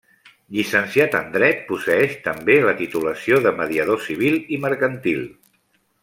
Llicenciat en Dret, posseeix també la titulació de mediador Civil i Mercantil.